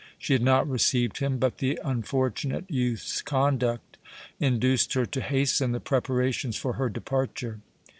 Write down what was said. She had not received him, but the unfortunate youth's conduct induced her to hasten the preparations for her departure.